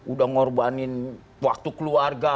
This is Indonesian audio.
udah ngorbanin waktu keluarga